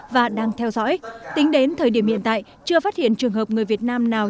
và đang theo dõi tính đến thời điểm hiện tại chưa phát hiện trường hợp người việt nam nào